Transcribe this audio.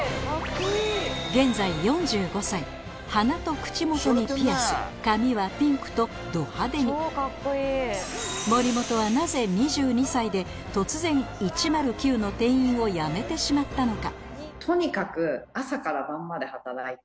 現在４５歳鼻と口もとにピアス髪はピンクとド派手に森本はなぜ２２歳で突然１０９の店員をやめてしまったのか？